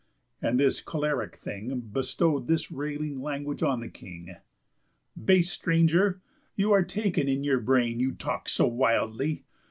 And this choleric thing Bestow'd this railing language on the King: "Base stranger, you are taken in your brain, You talk so wildly.